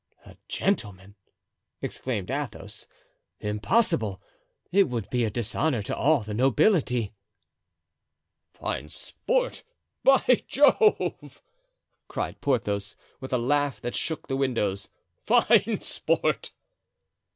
"A gentleman!" exclaimed Athos. "Impossible! It would be a dishonor to all the nobility." "Fine sport, by Jove!" cried Porthos, with a laugh that shook the windows. "Fine sport!"